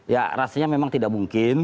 ya rasanya memang tidak mungkin